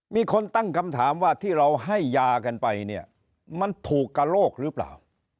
มีคนตั้งคำถามว่าที่เราให้ยากันไปเนี่ยมันถูกกระโลกหรือเปล่า